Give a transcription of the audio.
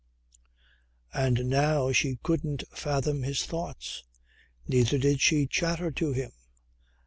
And now she couldn't fathom his thoughts. Neither did she chatter to him.